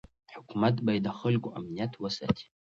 حکومت باید د خلکو امنیت وساتي.